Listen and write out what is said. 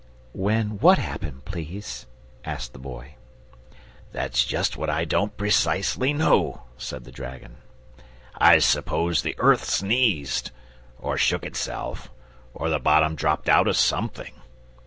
"When WHAT happened, please?" asked the Boy. "That's just what I don't precisely know," said the dragon. "I suppose the earth sneezed, or shook itself, or the bottom dropped out of something.